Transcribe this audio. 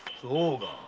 そうか。